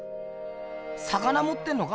魚もってんのか？